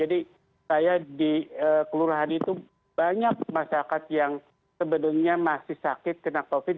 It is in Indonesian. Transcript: jadi saya di kelurahan itu banyak masyarakat yang sebenarnya masih sakit kena covid